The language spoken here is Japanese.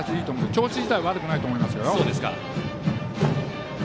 調子自体は悪くないと思いますよ。